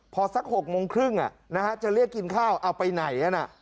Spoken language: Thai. พอสัก๖โมงครึ่งจะเรียกกินข้าวเอาไปไหน